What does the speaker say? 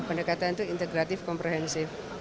pendekatan itu integratif komprehensif